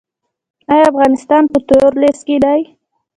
آیا افغانستان په تور لیست کې دی؟